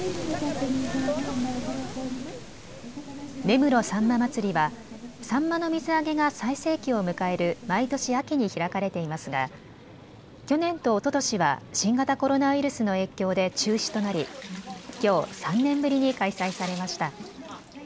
根室さんま祭りはサンマの水揚げが最盛期を迎える毎年秋に開かれていますが去年とおととしは新型コロナウイルスの影響で中止となり、きょう３年ぶりに開催されました。